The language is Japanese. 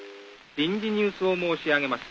「臨時ニュースを申し上げます。